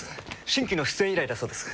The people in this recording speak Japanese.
新規の出演依頼だそうです。